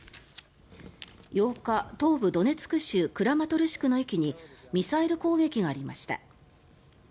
８日、東部ドネツク州クラマトルシクの駅にミサイル攻撃がありました。